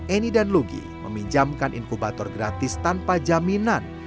eni dan lugi meminjamkan inkubator gratis tanpa jaminan